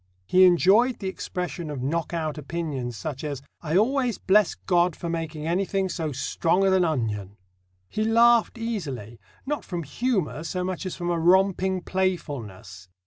He enjoyed the expression of knock out opinions such as: "I always bless God for making anything so strong as an onion!" He laughed easily, not from humour so much as from a romping playfulness.